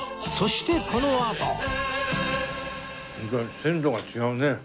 そしてこのあと鮮度が違うね。